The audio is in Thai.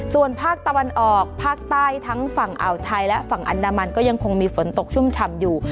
ส่วนภาคตะวันออกภาคใต้ทั้งฝั่งอ่าวไทยและฝั่งอันดามันก็ยังคงมีฝนตกชุ่มฉ่ำอยู่